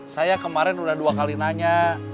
saya kemarin udah dua kali nanya